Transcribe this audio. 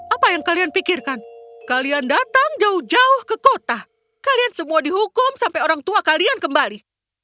apa yang kalian pikirkan kalian datang jauh jauh ke kota kalian semua dihukum sampai orang tua kalian kembali